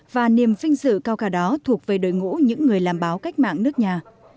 và niềm vinh sự cao cả đó thuộc về đội ngũ những người làm báo cách mạng nước nhà